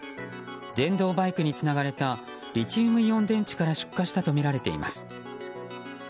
電動バイクにつながれたリチウムイオン電池から出火したとみられています。